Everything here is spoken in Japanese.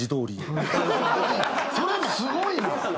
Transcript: それもすごいな。